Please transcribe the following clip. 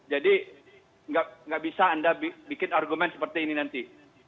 jadi gak bisa anda bikin argumen seperti ini nanti